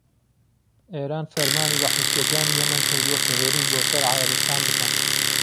ئێران فەرمانی بە حوسییەکانی یەمەن کردووە کە هێرش بۆ سەر عەرەبستان بکەن